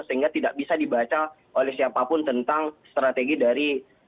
sehingga tidak bisa dibaca oleh siapapun tentang strategi dari